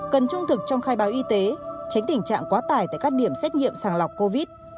cần trung thực trong khai báo y tế tránh tình trạng quá tải tại các điểm xét nghiệm sàng lọc covid